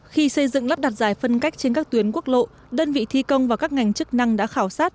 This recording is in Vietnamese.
khi xây dựng lắp đặt giải phân cách trên các tuyến quốc lộ đơn vị thi công và các ngành chức năng đã khảo sát